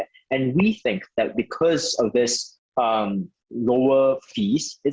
akan menjadi peningkatan besar untuk orang orang yang ingin berpartisipasi dalam ekosistem